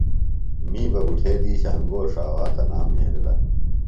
می بہ بُٹھے دِیشہ انگور ݜاوا تنام مھیرلہ